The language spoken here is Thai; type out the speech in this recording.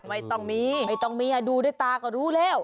ไม่ต้องมีไม่ต้องเมียดูด้วยตาก็รู้แล้ว